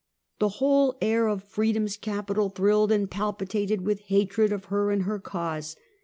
" The whole air of Freedom's capital thrilled and pal pitated with hatred of her and her cause.